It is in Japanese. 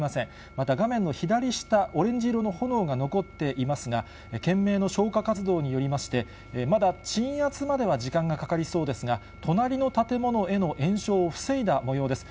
また、画面の左下、オレンジ色の炎が残っていますが、懸命の消火活動によりまして、まだ鎮圧までは時間がかかりそうですが、隣の建物への延焼を防いだもようです。